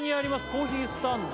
コーヒースタンド